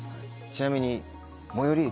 ちなみに。